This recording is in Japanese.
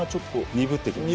鈍ってきます。